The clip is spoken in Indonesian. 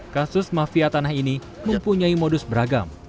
kasus mafia tanah ini mempunyai modus beragam